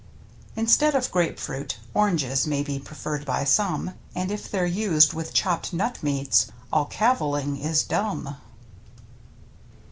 Instead of grape fruit — oranges May be preferred by some, And if they're used with chopped nut meats All cavilling is dumb.